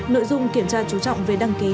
nội dung kiểm tra chú trọng về đăng ký